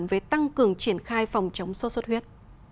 với tăng cường triển khai phòng chống sốt xuất huyết